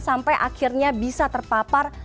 sampai akhirnya bisa terpapar